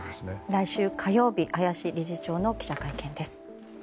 来週火曜日林理事長の記者会見です。